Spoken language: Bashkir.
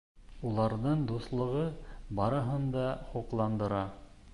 Уларҙың дуҫлығы барыһын да һоҡландыра.